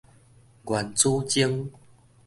原子鐘